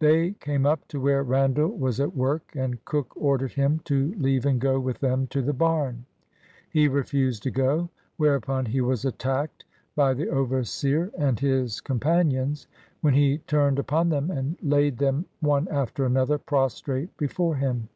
They came up to where Randall was at work, and Cook ordered him to leave and 20 with them to the barn. He refused to £0 : whereupon he was attacked by the overseer and his companions, when he turned upon them, and laid them one after another prostrate before him.